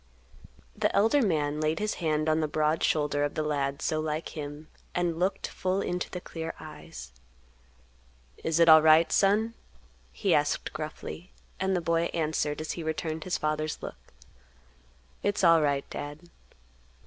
The elder man laid his hand on the broad shoulder of the lad so like him, and looked full into the clear eyes. "Is it alright, son?" he asked gruffly; and the boy answered, as he returned his father's look, "It's alright, Dad."